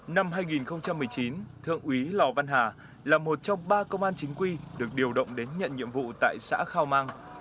năm hai nghìn một mươi chín thượng úy lò văn hà là một trong ba công an chính quy được điều động đến nhận nhiệm vụ tại xã khao mang